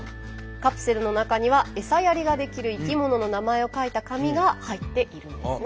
カプセルの中にはエサやりができる生き物の名前を書いた紙が入っているんですね。